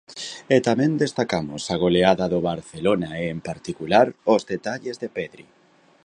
E tamén destacamos a goleada do Barcelona e, en particular, os detalles de Pedri.